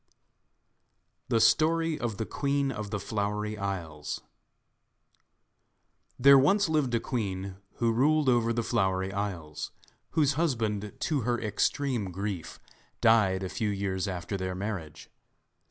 The Story of the Queen of the Flowery Isles There once lived a queen who ruled over the Flowery Isles, whose husband, to her extreme grief, died a few years after their marriage.